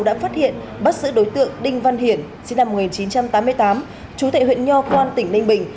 đã phát hiện bắt giữ đối tượng đinh văn hiển sinh năm một nghìn chín trăm tám mươi tám chú tệ huyện nho quan tỉnh ninh bình